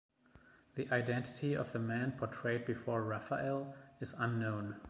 The identity of the man portrayed before Raphael is unknown.